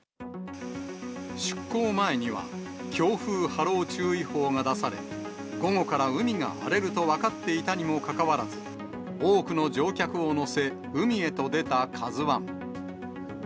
出航前には、強風波浪注意報が出され、午後から海が荒れると分かっていたにもかかわらず、多くの乗客を乗せ、海へと出たカズワン。